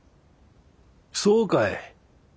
そうかい。